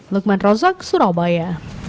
lukman rozak surabaya